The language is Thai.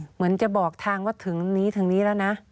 เหมือนจะบอกทางว่าถึงนี้ถึงนี้แล้วนะ